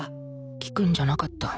聞くんじゃなかった